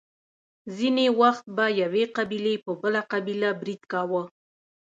ځینې وخت به یوې قبیلې په بله قبیله برید کاوه.